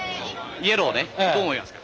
イエローをねどう思いますか？